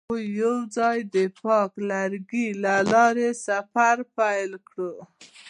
هغوی یوځای د پاک لرګی له لارې سفر پیل کړ.